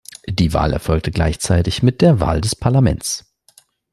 Die Wahl erfolgte gleichzeitig mit der Wahl des Parlaments.